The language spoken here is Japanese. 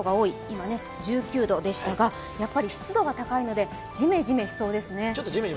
今、１９度でしたが、やっぱり湿度が高いので、ジメジメしそうですね。